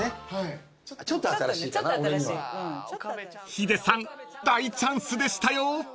［ヒデさん大チャンスでしたよ］